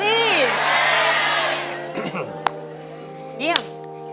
เยี่ยม